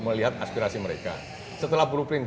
melihat aspirasi mereka setelah blueprint